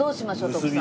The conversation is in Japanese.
徳さん。